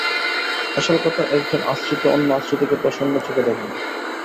আসল কথা, একজন আশ্রিত অন্য আশ্রিতকে প্রসন্নচক্ষে দেখে না।